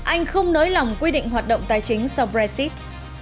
anh không nới lỏng quy định hoạt động tài chính sau brexit